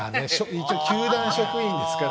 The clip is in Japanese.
一応、球団職員ですから。